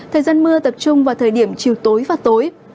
thời gian mưa tập trung vào thời điểm chiều tối và tối